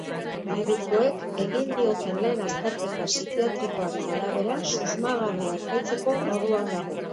Medikuek egin dioten lehen azterketa psikiatrikoaren arabera, susmagarria epaitzeko moduan dago.